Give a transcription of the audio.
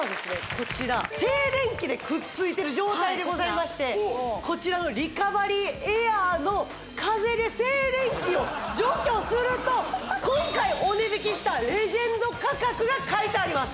こちら静電気でくっついてる状態でございましてこちらのリカバリーエアーの風で静電気を除去すると今回お値引きしたレジェンド価格が書いてあります